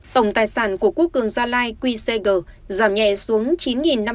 tổng tài sản của quốc cường gia lai qcg giảm nhẹ xuống